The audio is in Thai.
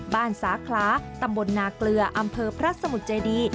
สาคลาตำบลนาเกลืออำเภอพระสมุทรเจดี